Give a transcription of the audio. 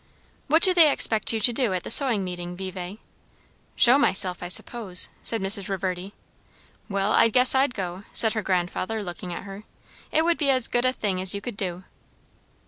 "What do they expect you to do at the sewing meeting, Vevay?" "Show myself, I suppose," said Mrs. Reverdy. "Well, I guess I'd go," said her grandfather, looking at her. "It would be as good a thing as you could do."